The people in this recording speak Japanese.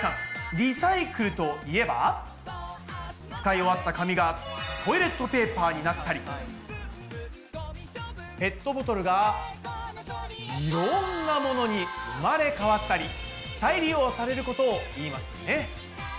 リサイクルといえば使い終わった紙がトイレットペーパーになったりペットボトルがいろんなものに生まれ変わったり再利用されることを言いますよね。